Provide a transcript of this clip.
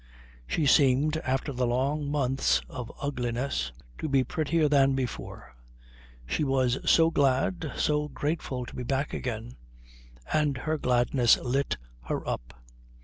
She seemed, after the long months of ugliness, to be prettier than before. She was so glad, so grateful, to be back again, and her gladness lit her up.